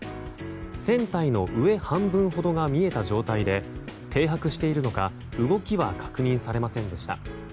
船体の上半分ほどが見えた状態で停泊しているのか動きは確認されませんでした。